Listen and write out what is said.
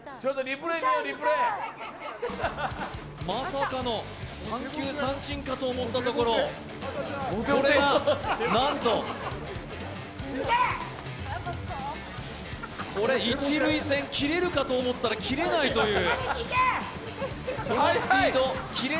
まさかの三球三振かと思ったところ、なんとこれ一塁線切れるかと思ったら切れないという、このスピード。